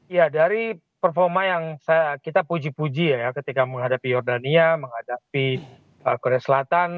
ya dari performa yang kita puji puji ya ketika menghadapi jordania menghadapi korea selatan